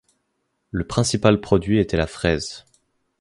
Le principal produit était la fraise.